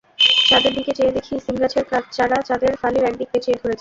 চাঁদের দিকে চেয়ে দেখি, শিমগাছের চারা চাঁদের ফালির একদিক পেঁচিয়ে ধরেছে।